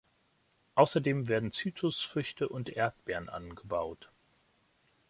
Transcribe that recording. Außerdem werden Zitrusfrüchte und Erdbeeren angebaut.